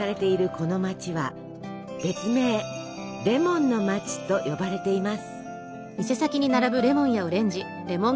この街は別名レモンの街と呼ばれています。